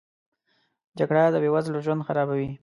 جګړه د بې وزلو ژوند خرابوي